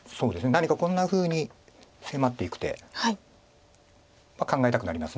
何かこんなふうに迫っていく手は考えたくなります。